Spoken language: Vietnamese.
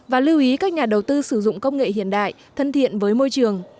và lưu ý các nhà đầu tư sử dụng công nghệ hiện đại thân thiện với môi trường